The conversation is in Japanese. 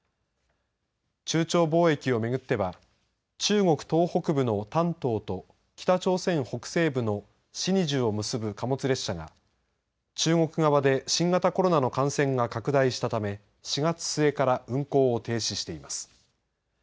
中朝貿易を巡っては中国東北部の丹東と北朝鮮北西部のシニジュを結ぶ貨物列車が中国側で新型コロナの感染が拡大したため４月末から運行を停止しています。